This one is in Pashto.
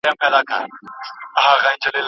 زده کوونکي يوازې د ازموينې لپاره سبق لولي.